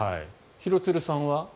廣津留さんは？